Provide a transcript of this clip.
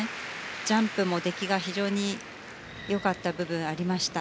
ジャンプも出来が非常に良かった部分がありました。